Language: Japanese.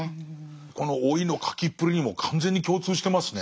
この老いの書きっぷりにも完全に共通してますね。